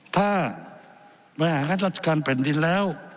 ถ้าบ่อยหาราชคารเป็นดินแล้ว